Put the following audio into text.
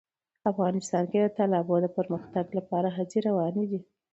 افغانستان کې د تالابونو د پرمختګ لپاره هڅې روانې دي.